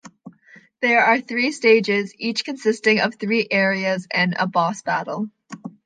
There are three stages, each consisting of three areas and a boss battle.